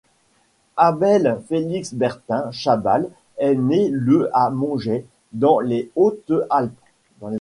Abel Félix Bertin Chabal est né le à Montjay, dans les Hautes-Alpes.